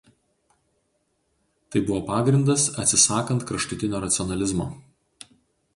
Tai buvo pagrindas atsisakant kraštutinio racionalizmo.